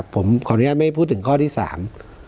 ผมขออนุญาตไม่พูดถึงข้อที่สาม